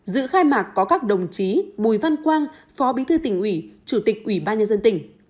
dự khai mạc có các đồng chí bùi văn quang phó bí thư tỉnh ủy chủ tịch ủy ban nhân dân tỉnh